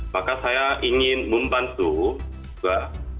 maka saya ingin membantu juga